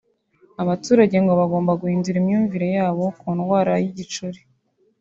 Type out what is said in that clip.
abaturage ngo bagomba guhindura imyumvire yabo ku ndwara y’igicuri